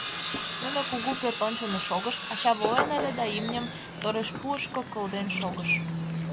Нуно кугу пӧрт ончылно шогышт, ача волен ыле да имньым торешпуышко кылден шогыш.